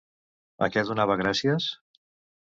A què donava gràcies?